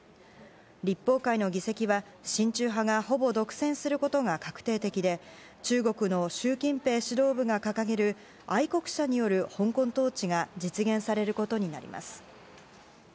立法会の議席は、親中派がほぼ独占することが確定的で中国の習近平指導部が掲げる愛国者による香港統治が実現されることになります。